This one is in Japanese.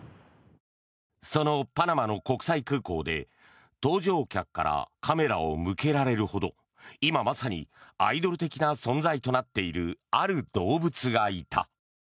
そのパナマの国際空港で搭乗客からカメラを向けられるほど今まさにアイドル的な存在となっているある動物がいた。